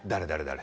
誰？